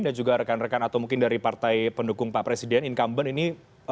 dan juga rekan rekan atau mungkin dari partai pendukung pak presiden incumbent ini